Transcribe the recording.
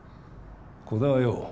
鼓田はよ